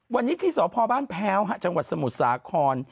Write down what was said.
วันนี้ที่สพบ้านแพ้วจังหวัดสมุทรสาคร